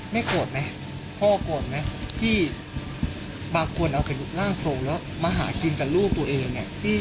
โกรธไหมพ่อโกรธไหมที่บางคนเอาเป็นร่างทรงแล้วมาหากินกับลูกตัวเอง